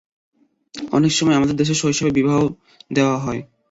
অনেক সময় আমাদের দেশে শৈশবেই বিবাহ দেওয়া হয়।